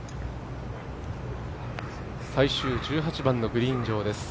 最終１８番のグリーン上です。